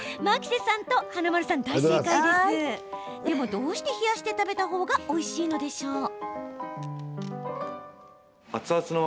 でも、どうして冷やして食べた方がおいしいのでしょうか？